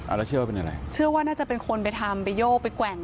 แล้วเชื่อว่าเป็นอะไรเชื่อว่าน่าจะเป็นคนไปทำไปโยกไปแกว่ง